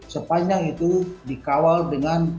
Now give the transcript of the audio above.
sepanjang itu dikawal dengan